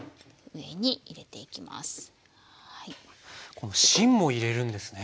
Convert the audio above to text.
この芯も入れるんですね。